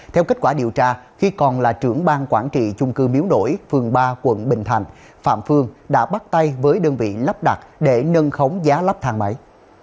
theo kết quả điều tra khi còn là trưởng bang quản trị chung cư miếu nổi phường ba quận bình thạnh phạm phương đã bắt tay với đơn vị lắp đặt để nâng khống giá lắp thang máy